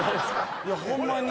いやホンマに。